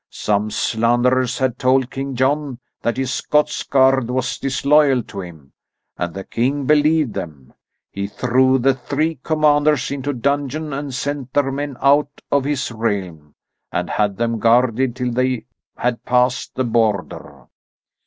Some slanderers had told King John that his Scots guard was disloyal to him. And the King believed them. He threw the three commanders into dungeon and sent their men out of his realm, and had them guarded till they had passed the border."